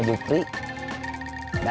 iwan fokus ke tinyu